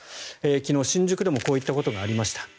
昨日、新宿でもこういったことがありました。